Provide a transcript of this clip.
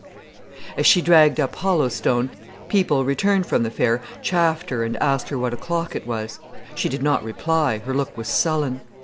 As she dragged up Hollow Stone, people returned from the fair chaffed her and asked her what o'clock it was. She did not reply, her look was sullen.